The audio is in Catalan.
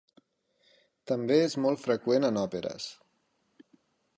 També és molt freqüent en òperes.